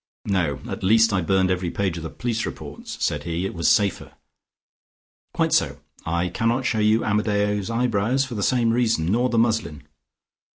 "No: at least I burned every page of the police reports," said he. "It was safer." "Quite so. I cannot show you Amadeo's eyebrows for the same reason. Nor the muslin.